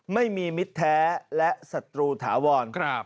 มิตรแท้และศัตรูถาวร